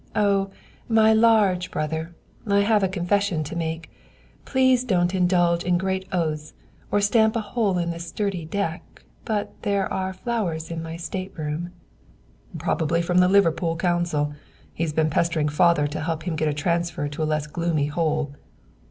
"Oh, my large brother, I have a confession to make. Please don't indulge in great oaths or stamp a hole in this sturdy deck, but there are flowers in my state room " "Probably from the Liverpool consul he's been pestering father to help him get a transfer to a less gloomy hole."